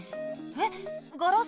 えっガラス？